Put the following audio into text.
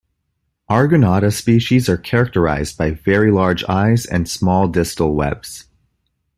"Argonauta" species are characterised by very large eyes and small distal webs.